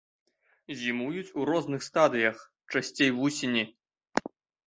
Зімуюць у розных стадыях, часцей вусені.